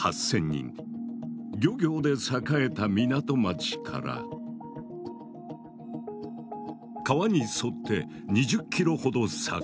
漁業で栄えた港町から川に沿って２０ｋｍほど遡る。